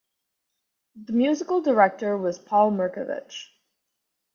The musical director was Paul Mirkovich.